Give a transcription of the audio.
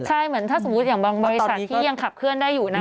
ใช่เหมือนถ้าสมมุติอย่างบางบริษัทที่ยังขับเคลื่อนได้อยู่นะ